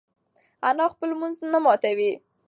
انا خپل لمونځ نه ماتوي.